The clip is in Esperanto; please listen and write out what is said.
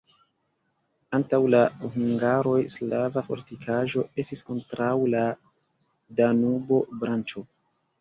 Antaŭ la hungaroj slava fortikaĵo estis kontraŭ la Danubo-branĉo.